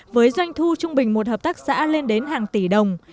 với doanh thu trung bình một hợp tác xã lên đến hàng tỷ đồng